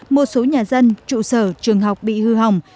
một số nhà dân trụ sở trường học bị hư hỏng